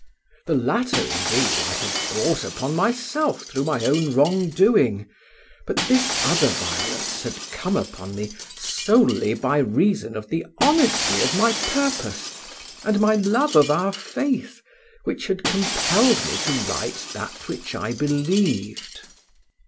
The latter, indeed, I had brought upon myself through my own wrongdoing, but this other violence had come upon me solely by reason of the honesty of my purpose and my love of our faith, which had compelled me to write that which I believed.